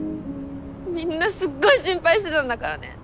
みんなすっごい心配してたんだからね！